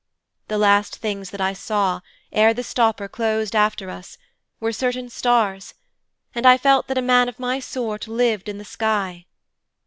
The last things that I saw, ere the stopper closed after us, were certain stars, and I felt that a man of my sort lived in the sky.